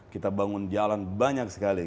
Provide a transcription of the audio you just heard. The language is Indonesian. kita bangun jalan banyak sekali